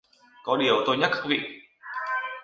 Có điều tôi nhắc các vị